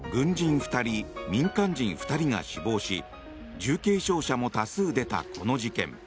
２人民間人２人が死亡し重軽傷者も多数出たこの事件。